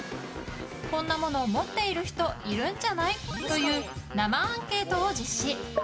こんなもの持ってる人いるんじゃない？という生アンケートを実施。